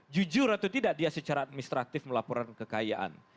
jujur atau tidak dia secara administratif melaporkan kekayaan